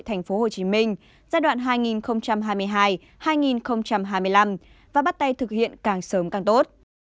thành phố hồ chí minh giai đoạn hai nghìn hai mươi hai hai nghìn hai mươi năm và bắt tay thực hiện càng sớm càng tốt